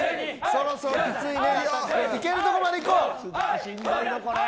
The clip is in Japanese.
そろそろきついね。